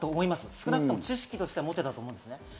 少なくとも知識としては持っていたと思います。